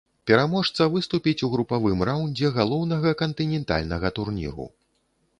Пераможца выступіць у групавым раўндзе галоўнага кантынентальнага турніру.